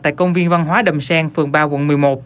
tại công viên văn hóa đầm sen phường ba quận một mươi một